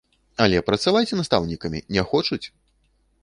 Але працаваць настаўнікамі не хочуць!